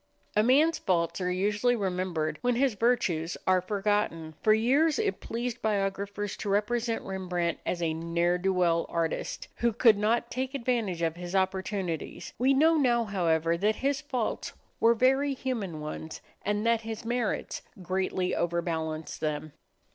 A man's faults are usually remembered when his virtues are forgotten. For years it pleased biographers to represent Rembrandt as a ne'er do well artist, who could not take advantage of his opportunities. We know now, however, that his faults were very human ones, and that his merits greatly overbalanced them.